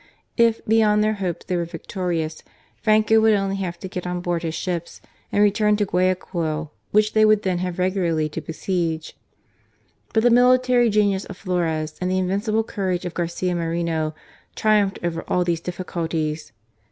If, beyond their hopes, they were victorious. Franco would only have to get on board his ships and return to Guayaquil, which they would then have regularly to besiege. But the military genius of Flores and the invincible courage of Garcia Moreno triumphed over all these difficulties.